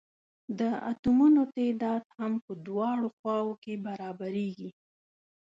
د اتومونو تعداد هم په دواړو خواؤ کې برابریږي.